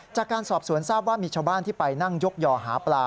จากการสอบสวนทราบว่ามีชาวบ้านที่ไปนั่งยกย่อหาปลา